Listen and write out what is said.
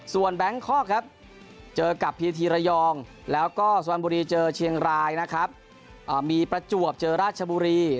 สวัสดีครับ